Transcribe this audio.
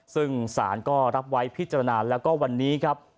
ซึ่งสารก็รับไว้พิจารณาแล้วก็วันนี้ครับ